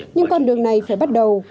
nhưng con đường này phải bắt đầu